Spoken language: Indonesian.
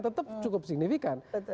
tetap cukup signifikan